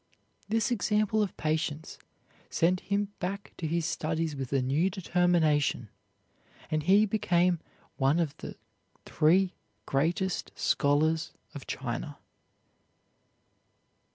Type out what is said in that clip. This example of patience sent him back to his studies with a new determination, and he became one of the three greatest scholars of China.